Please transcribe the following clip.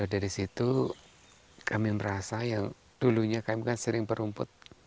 dari situ kami merasa yang dulunya kami kan sering berumput